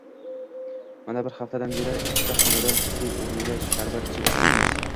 Mana, bir haftadan beri ikkita xonadon suv oʻrniga sharbat ichib oʻtiribmiz!..